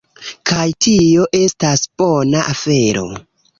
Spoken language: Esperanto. Kaj tio estas bona afero